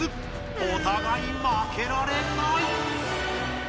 お互い負けられない！